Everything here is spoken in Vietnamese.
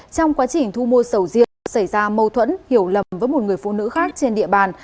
trong quá trình thu mua sầu riêng xảy ra mâu thuẫn hiểu lầm với một người phụ nữ khác trên địa bàn